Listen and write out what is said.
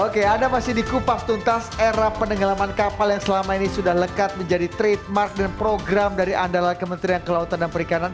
oke anda masih di kupas tuntas era penenggelaman kapal yang selama ini sudah lekat menjadi trademark dan program dari andalan kementerian kelautan dan perikanan